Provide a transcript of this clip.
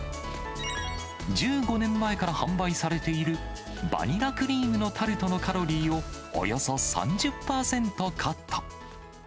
１５年前から販売されているバニラクリームのタルトのカロリーをおよそ３０％カット。